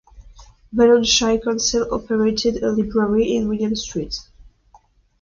Balonne Shire Council operates a library in William Street.